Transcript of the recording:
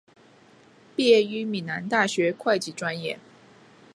毕业于暨南大学会计专业。